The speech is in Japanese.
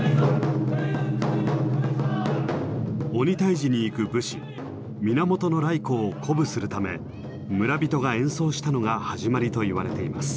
鬼退治に行く武士源頼光を鼓舞するため村人が演奏したのが始まりといわれています。